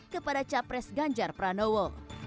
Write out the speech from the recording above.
kepada capres ganjar pranowo